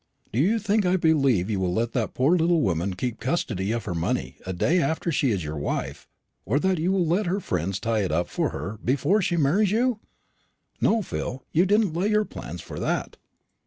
Do you think I believe you will let that poor little woman keep custody of her money a day after she is your wife, or that you will let her friends tie it up for her before she marries you? No, Phil, you didn't lay your plans for that."